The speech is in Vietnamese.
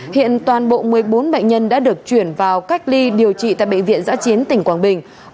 hiện toàn bộ một mươi bốn bệnh nhân đã được chuyển vào cách ly điều trị tại bệnh viện giã chiến tỉnh quảng bình